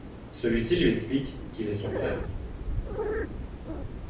Celui-ci lui explique qu'il est son frère.